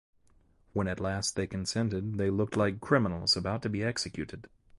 When at last they consented, they looked like criminals about to be executed.